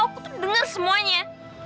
aku tuh denger semuanya